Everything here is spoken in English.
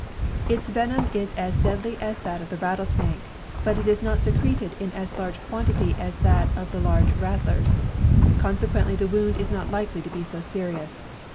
Its venom is as deadly as that of the rattlesnake, but it is not secreted in as large quantity as that of the larger rattlers; consequently the wound is not likely to be so serious.